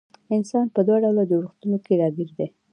انسان په دوه ډوله جوړښتونو کي راګېر دی